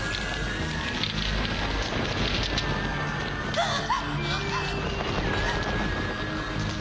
あっ！